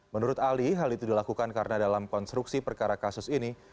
menurut ali hal itu dilakukan karena dalam konstruksi perkara kasus ini